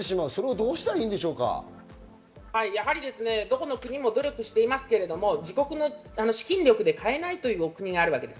どうしどこの国も努力していますが、自国の資金力で買えないという国があるわけです。